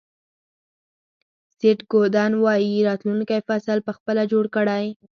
سیټ گودن وایي راتلونکی فصل په خپله جوړ کړئ.